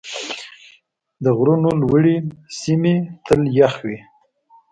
د غرونو لوړې سیمې تل یخ وي.